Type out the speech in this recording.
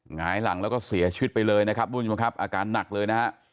หงายหลังแล้วก็เสียชีวิตไปเลยนะครับทุกผู้ชมครับอาการหนักเลยนะฮะ